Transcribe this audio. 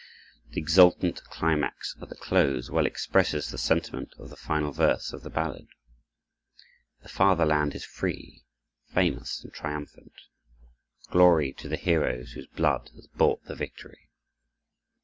The exultant climax, at the close, well expresses the sentiment of the final verse of the ballad: "The Fatherland is free, famous, and triumphant, Glory to the heroes whose blood has bought the victory!"